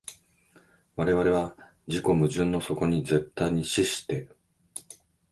我々は自己矛盾の底に絶対に死して、